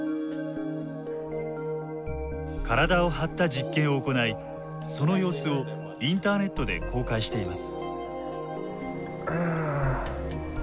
体を張った実験を行いその様子をインターネットで公開しています。